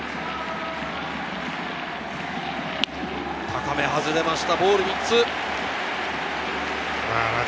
高め外れました、ボール３つ。